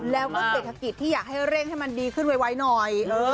แล้วก็เศรษฐกิจที่อยากให้เร่งให้มันดีขึ้นไวหน่อย